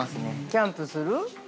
◆キャンプする？